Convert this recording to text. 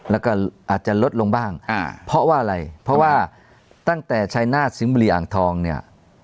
แล้วก็อาจจะลดลงบ้างอ่าเพราะว่าอะไรเพราะว่าตั้งแต่ชายนาฏสิงห์บุรีอ่างทองเนี่ย